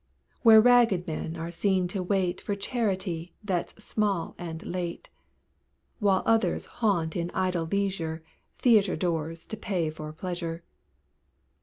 Where ragged men are seen to wait For charity that's small and late; While others haunt in idle leisure, Theatre doors to pay for pleasure.